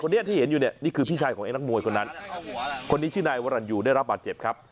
ที่เห็นอยู่เนี่ยนี่คือพี่ชายของไอ้นักมวยคนนั้นคนนี้ชื่อนายวรรณยูได้รับบาดเจ็บครับ